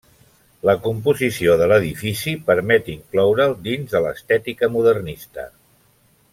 La composició de l'edifici permet incloure'l dins de l'estètica modernista.